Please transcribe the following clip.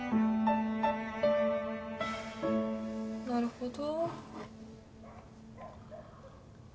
なるほど。